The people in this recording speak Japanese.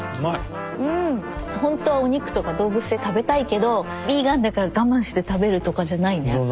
ほんとはお肉とか動物性食べたいけどヴィーガンだから我慢して食べるとかじゃないね。